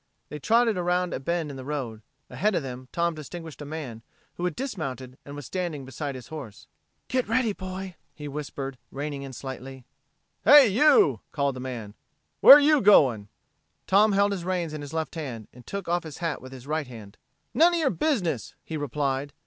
They trotted around a bend in the road. Ahead of them Tom distinguished a man who had dismounted and was standing beside his horse. "Get ready, boy," he whispered, reining in slightly. "Hey! You!" called the man. "Where're you going?" Tom held his reins in his left hand, and took off his hat with his right hand. "None of your business!" he replied.